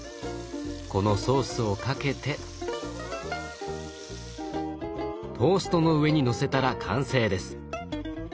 このソースをかけてトーストの上にのせたら完成です。